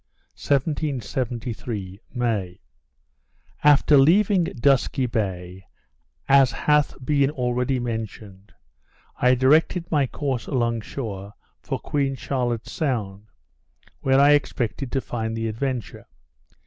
_ 1773 May After leaving Dusky Bay, as hath been already mentioned, I directed my course along shore for Queen Charlotte's Sound, where I expected to find the Adventure.